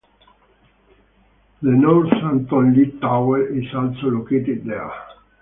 The Northampton Lift Tower is also located there.